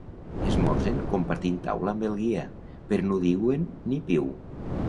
Esmorzen compartint taula amb el guia, però no diuen ni piu.